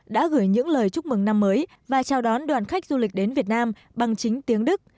đã gửi những lời chúc mừng năm mới và chào đón đoàn khách du lịch đến việt nam bằng chính tiếng đức